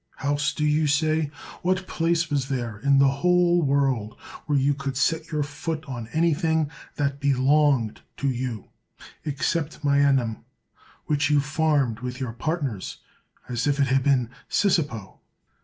House, do you say? What place was there in the whole world where you could set your foot on anything that be longed to you, except Mienum, which you farmed with your partners, as if it had been Sisapo?